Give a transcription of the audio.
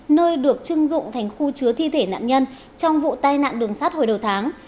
nơi được chưng dụng thành khu chứa thi thể nạn nhân trong vụ tai nạn đường sắt hồi đầu tháng